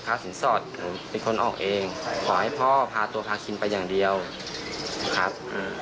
สินสอดผมเป็นคนออกเองขอให้พ่อพาตัวพาคินไปอย่างเดียวครับ